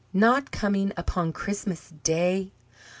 "Not coming upon Christmas Day?"